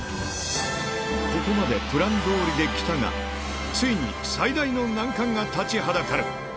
ここまでプランどおりで来たが、ついに最大の難関が立ちはだかる。